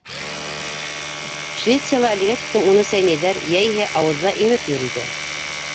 Швецияла әлегә тиклем уны сәйнәйҙәр йәиһә ауыҙҙа имеп йөрөйҙәр.